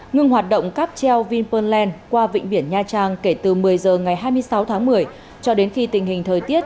ngừng hoạt động cáp treo vinpearl land qua vịnh biển nha trang kể từ một mươi h ngày hai mươi sáu tháng một mươi cho đến khi tình hình thời tiết